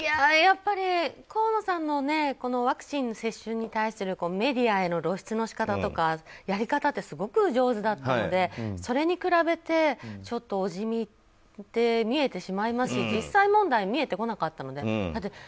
やっぱり河野さんのワクチン接種に対するメディアへの露出の仕方とかやり方ってすごく上手だったのでそれに比べてちょっと地味って見えてしまいますし実際問題、見えてこなかったので。